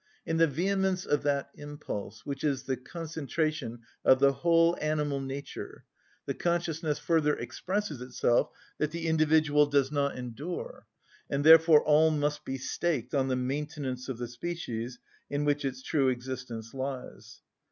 In the vehemence of that impulse, which is the concentration of the whole animal nature, the consciousness further expresses itself that the individual does not endure, and therefore all must be staked on the maintenance of the species, in which its true existence lies.